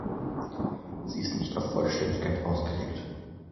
Sie ist nicht auf Vollständigkeit ausgelegt.